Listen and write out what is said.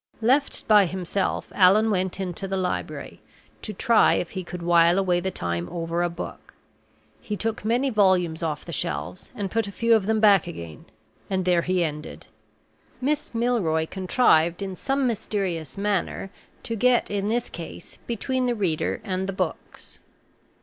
Left by himself, Allan went into the library, to try if he could while away the time over a book. He took many volumes off the shelves, and put a few of them back again; and there he ended. Miss Milroy contrived in some mysterious manner to get, in this case, between the reader and the books.